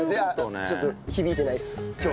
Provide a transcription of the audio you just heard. ちょっと響いてないです今日は。